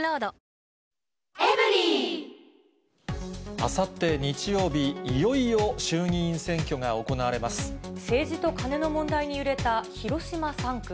あさって日曜日、政治とカネの問題に揺れた広島３区。